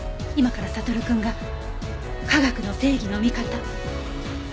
今から悟くんが科学の正義の味方。